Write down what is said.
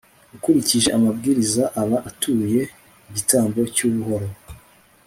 ukurikije amabwiriza aba atuye igitambo cy'ubuhoro